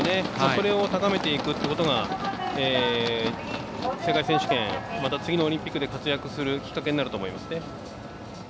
それを高めていくということが世界選手権また次のオリンピックで活躍するきっかけになると思います。